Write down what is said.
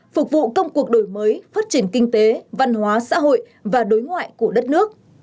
phục vụ công cuộc đổi mới phát triển kinh tế văn hóa xã hội và đối ngoại của đất nước